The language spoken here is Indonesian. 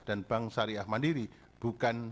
dan bank syariah mandiri bukan